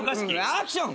アクション！